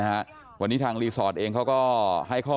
นะในความคิดของเราเพราะว่า